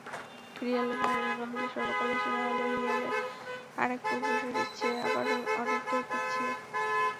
রিয়ালের হয়ে রোনালদো সর্বকালের সেরা হলেও রিয়ালের আরেক পূর্বসূরির চেয়ে আবার অনেকটাই পিছিয়ে।